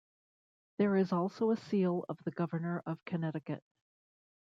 There is also a seal of the Governor of Connecticut.